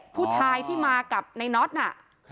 ผู้ชายที่มากับในน็อตน่ะ